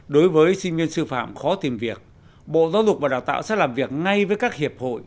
đối với sinh viên sư phạm khó tìm việc bộ giáo dục và đào tạo sẽ làm việc ngay với các hiệp hội